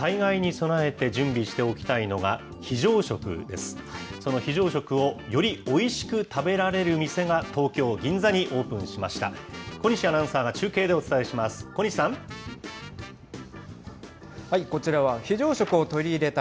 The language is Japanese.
その非常食をよりおいしく食べられる店が、東京・銀座にオープンしました。